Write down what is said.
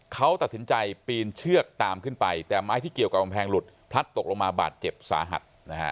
เขาตัดสินใจปีนเชือกตามขึ้นไปแต่ไม้ที่เกี่ยวกับกำแพงหลุดพลัดตกลงมาบาดเจ็บสาหัสนะฮะ